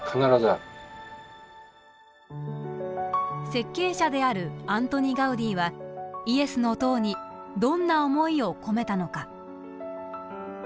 設計者であるアントニ・ガウディはイエスの塔にどんな思いを込めたのか。